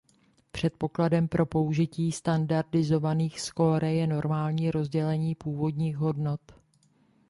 Předpokladem pro použití standardizovaných skóre je normální rozdělení původních hodnot.